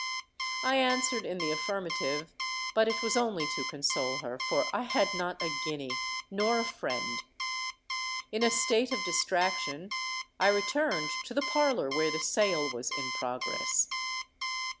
I answered in the affirmative; but it was only to console her—for I had not a guinea—nor a friend! In a state of distraction I returned to the parlour where the sale was in progress.